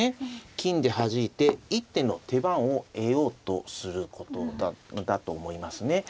金ではじいて一手の手番を得ようとすることだと思いますね。